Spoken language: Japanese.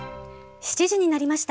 ７時になりました。